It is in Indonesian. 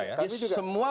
semua kami laporkan